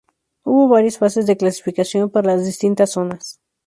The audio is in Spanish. Hubo varias fases de clasificación para las distintas zonas.